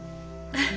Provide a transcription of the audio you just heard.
フフ。